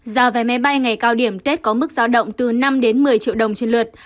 giáo vé máy bay ngày cao điểm tết có mức giáo động từ năm một mươi triệu đồng trên lượt